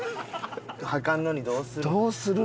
履かんのにどうする？